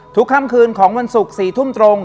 ค่ำคืนของวันศุกร์๔ทุ่มตรง